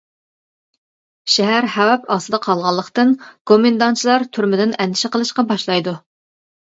شەھەر خەۋپ ئاستىدا قالغانلىقتىن، گومىنداڭچىلار تۈرمىدىن ئەندىشە قىلىشقا باشلايدۇ.